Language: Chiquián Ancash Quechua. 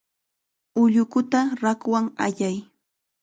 Ullukuta rakwan allay.